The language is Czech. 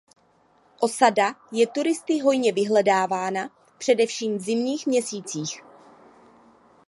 Osada je turisty hojně vyhledávaná především v zimních měsících.